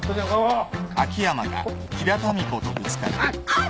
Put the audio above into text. あっ！